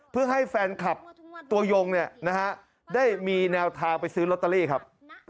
เพื่อให้แฟนคลับตัวยงได้มีแนวทางไปซื้อลอตเตอรี่ครับ